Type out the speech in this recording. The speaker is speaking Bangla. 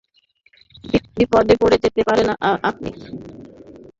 বিপদে পড়ে যেতে পারেন আপনি।